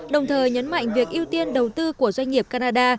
đồng thời nhấn mạnh việc ưu tiên đầu tư của doanh nghiệp canada